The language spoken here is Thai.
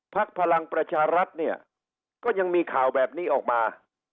พลังประชารัฐเนี่ยก็ยังมีข่าวแบบนี้ออกมา